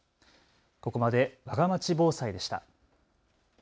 ここまでわがまち防災でした。